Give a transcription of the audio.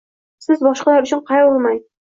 Siz boshqalar uchun qayg’urmang